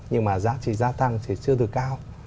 nhưng mà giá trị gia tăng thì chưa từ cao